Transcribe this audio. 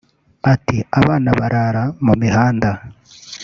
Ati” Abana barara mu mihanda